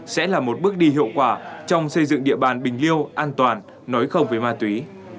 sẽ là một bước đi hiệu quả trong xây dựng địa bàn bình liêu an toàn nói không với ma túy